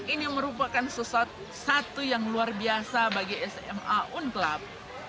ini merupakan sesuatu yang luar biasa bagi sma unclub